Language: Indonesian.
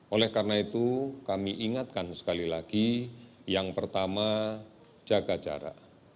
oleh karena itu kami ingatkan sekali lagi yang pertama jaga jarak